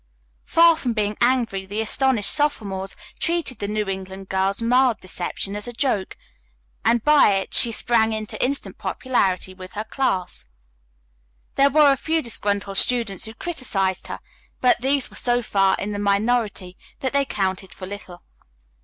Far from being angry, the astonished sophomores treated the New England girl's mild deception as a joke, and by it she sprang into instant popularity with her class. There were a few disgruntled students who criticized her, but these were so far in the minority that they counted for little.